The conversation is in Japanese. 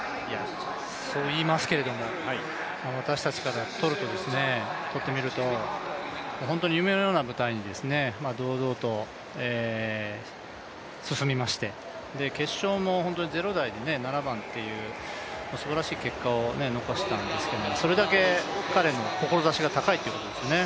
そう言いますけれども、私たちからとってみると、本当に夢のような舞台に堂々と進みまして決勝も０台で７番というすばらしい結果を残したんですけど、それだけ彼の志が高いということですね。